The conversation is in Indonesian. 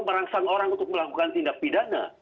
merangsang orang untuk melakukan tindak pidana